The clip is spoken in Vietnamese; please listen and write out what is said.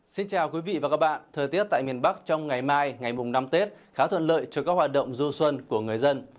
xin chào quý vị và các bạn thời tiết tại miền bắc trong ngày mai ngày mùng năm tết khá thuận lợi cho các hoạt động du xuân của người dân